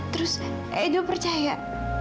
terus edo percaya